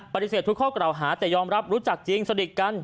ปฏิเสธทุกข้อกล่าวหาแต่ยอมรับรู้จักจริงสนิทกัน